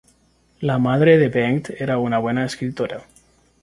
La madre de Bengt era una buena escritora.